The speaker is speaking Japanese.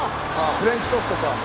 フレンチトーストか。